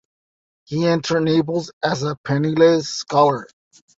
He entered Naples as a penniless scholar.